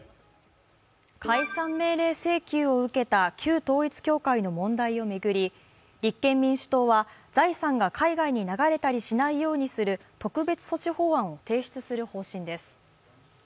解散命令請求を受けた旧統一教会の問題を巡り立憲民主党は財産が海外に流れたりしないようにする特別措置法案を提出する方針です。